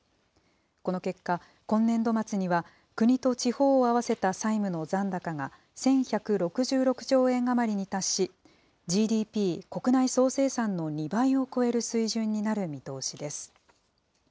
この結果、今年度末には、国と地方を合わせた債務の残高が１１６６兆円余りに達し、ＧＤＰ・国内総生産の２倍を超える水準になる見通しです。